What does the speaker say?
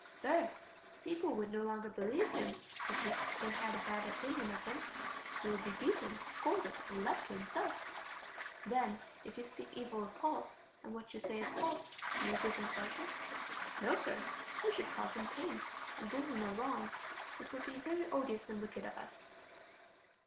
Sir, people would no longer believe him if they had a bad opinion of him; he would be beaten, scolded, and left to himself. Then if you speak evil of Paul, and what you say is false, do you give him pleasure? No, Sir, we should cause him pain, and do him a wrong, which would be very odious and wicked of us.